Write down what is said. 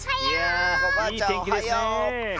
いいてんきですね。